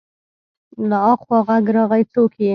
له اخوا غږ راغی: څوک يې؟